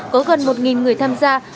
có gần một người tham gia